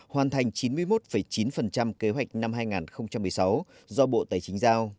hoàn thành chín mươi một chín kế hoạch năm hai nghìn một mươi sáu do bộ tài chính giao